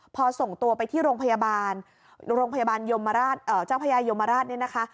พอส่งตัวไปที่โรงพยาบาลโรงพยาบาลยมราชเจ้าพญายมราชเนี่ยนะคะ